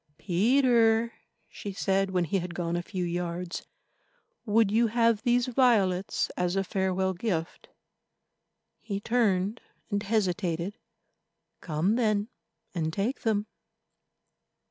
"Peter," she said when he had gone a few yards, "would you have these violets as a farewell gift?" He turned and hesitated. "Come, then, and take them."